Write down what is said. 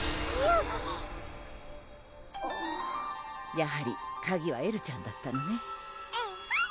やはり鍵はエルちゃんだったのねえっへん！